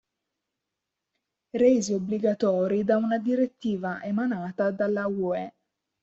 Resi obbligatori da una direttiva emanata della UE.